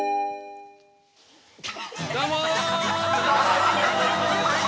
どうも。